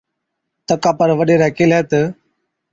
تڪا پر وڏيرَي ڪيهلَي تہ،